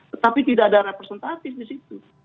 tetapi tidak ada representatif di situ